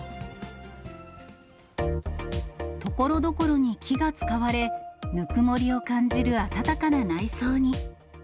ところどころに木が使われ、ぬくもりを感じる温かな内装に。